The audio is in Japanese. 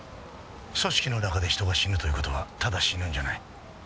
組織の中で人が死ぬという事はただ死ぬんじゃない。